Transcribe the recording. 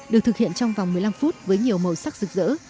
được thực hiện trong vòng một mươi năm phút với nhiều màu sắc rực rỡ